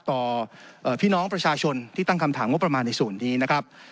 ต่อพี่น้องประชาชนที่ตั้งคำถามงบประมาณในส่วนนี้นะครับ